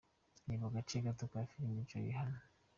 Reba agace gato ka film Joy hano :.